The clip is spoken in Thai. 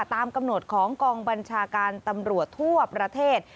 ตามกำหนดของกองบัญชาการตำรวจทั่วประเทศ